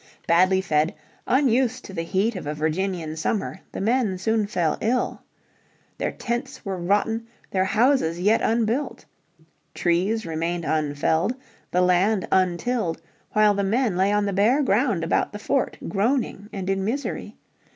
Badly fed, unused to the heat of a Virginian summer the men soon fell ill. Their tents were rotten, their houses yet unbuilt. Trees remained unfelled, the land untilled, while the men lay on the bare ground about the fort groaning and in misery.